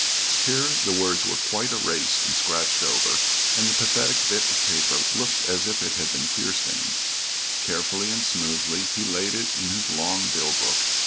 Here the words were quite erased and scratched over, and the pathetic bit of paper looked as if it had been tear stained. Carefully and smoothly he laid it in his long bill book.